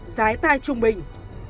giái tai trung bình